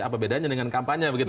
apa bedanya dengan kampanye begitu